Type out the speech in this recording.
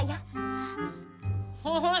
iya bagus nek bagus